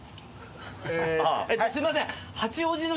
すいません。